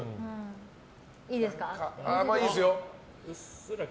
いいですよ。